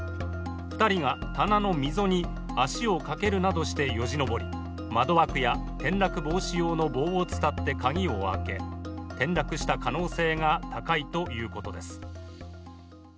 ２人が棚の溝に足をかけるなどしてよじ登り、窓枠や転落防止用の棒を伝って鍵を開け転落した可能性が高いということです。